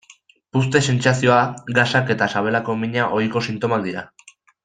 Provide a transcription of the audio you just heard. Puzte-sentsazioa, gasak eta sabeleko mina ohiko sintomak dira.